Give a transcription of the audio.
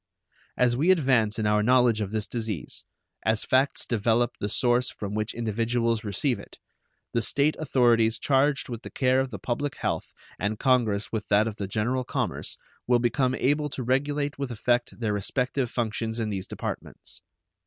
As we advance in our knowledge of this disease, as facts develop the source from which individuals receive it, the State authorities charged with the care of the public health, and Congress with that of the general commerce, will become able to regulate with effect their respective functions in these departments.